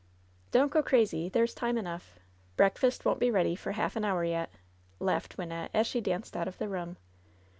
"Don't go crazy; there's time enough. Breakfast won't be ready for half an hour yet," laughed Wynnette, as she danced out of the room.